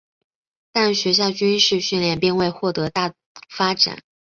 但学校军事训练并未获得多大发展。